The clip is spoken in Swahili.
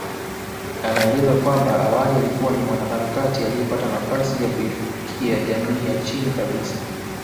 Anaeleza kwamba awali alikuwa ni mwanaharakati aliyepata nafasi ya kuifikia jamii ya chini kabisa